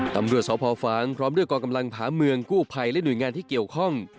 ตำรวจสพฟ้างพร้อมด้วยกองกำลังผาเมืองกู้ภัยและหน่วยงานที่เกี่ยวข้อง